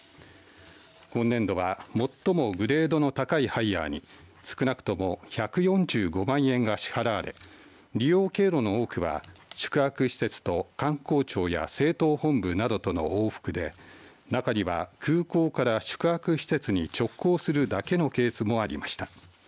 今年度は最もグレードの高いハイヤーに少なくとも１４５万円が支払われ利用経路の多くは宿泊施設と官公庁や政党本部などとの往復で中には空港から宿泊施設に直行するだけのケースもありました。